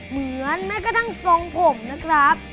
เหมือนแม้กระทั่งทรงผมนะครับ